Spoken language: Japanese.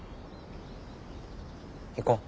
行こう。